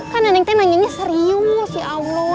kan nenek teh nanyanya serius ya allah